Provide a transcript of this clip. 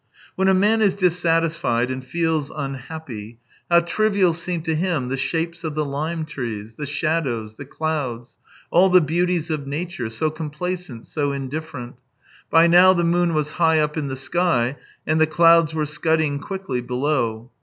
When a man is dissatisfied and THREE YEARS 183 feels unhappy, how trivial seem to him the shapes of the Hme trees, the shadows, the clouds, all the beauties of nature, so complacent, so indifferent ! By now the moon was high up in the sky, and the clouds were scudding quickly below.